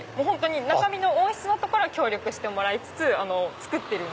中身の音質のところは協力してもらいつつ作っている。